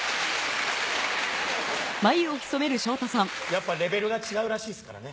やっぱレベルが違うらしいっすからね。